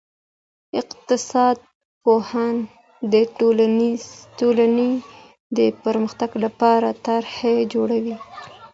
اقتصاد پوهان د ټولني د پرمختګ لپاره طرحي جوړوي.